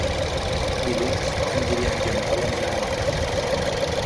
Dilluns en Guillem i en Pol aniran a la platja.